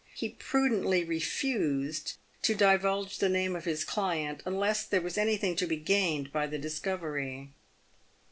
He prudently refused to divulge .the name of his client unless there was anything to be gained by the discoveiy.